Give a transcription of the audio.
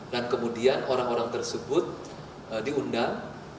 dan kemudian orang orang tersebut diundang